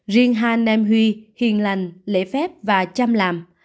riêng hai nèm huy hiền lành lễ phép và chăm làm